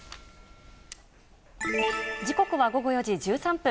時刻は午後４時１３分。